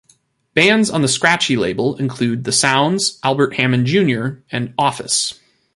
Bands on the Scratchie label include The Sounds, Albert Hammond Junior and Office.